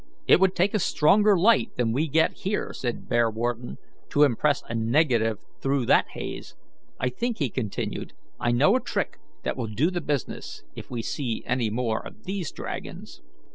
"It would take a stronger light than we get here," said Bearwarden, "to impress a negative through that haze. I think," he continued, "I know a trick that will do the business, if we see any more of these dragons."